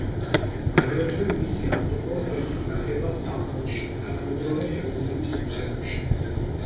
აგრეთვე, მისი ავტოპორტრეტი ინახება სტამბოლში, თანამედროვე ხელოვნების მუზეუმში.